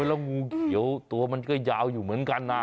แล้วงูเขียวตัวมันก็ยาวอยู่เหมือนกันนะ